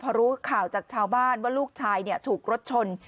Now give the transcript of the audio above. พอรู้ข่าวจากชาวบ้านว่าลูกชายถูกรถชน